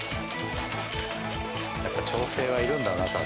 やっぱり調整はいるんだな多少。